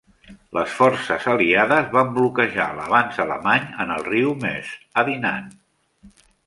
Les forces aliades van bloquejar l'avanç alemany en el riu Meuse a Dinant.